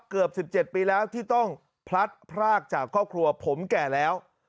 เกือบ๑๗ปีแล้วที่ต้องพลัดพรากจากครอบครัวผมแก่แล้ว